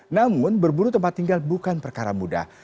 namun berburu tempat tinggal bukan perkara mudah